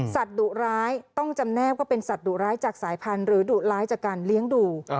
ดุร้ายต้องจำแนบว่าเป็นสัตว์ดุร้ายจากสายพันธุ์หรือดุร้ายจากการเลี้ยงดู